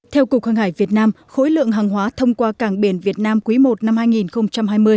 theo cục hàng hải việt nam khối lượng hàng hóa thông qua cảng biển việt nam quý i năm hai nghìn hai mươi